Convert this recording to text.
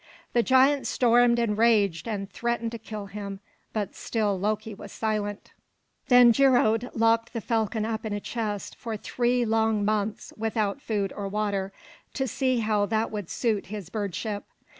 The giant stormed and raged and threatened to kill him; but still Loki was silent. Then Geirröd locked the falcon up in a chest for three long months without food or water, to see how that would suit his bird ship.